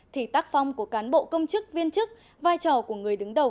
thì tác phong của cán bộ công chức viên chức vai trò của người đứng đầu cơ quan